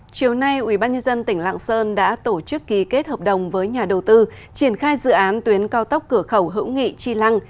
chiều nay ubnd tỉnh lạng sơn đã tổ chức ký kết hợp đồng với nhà đầu tư triển khai dự án tuyến cao tốc cửa khẩu hữu nghị chi lăng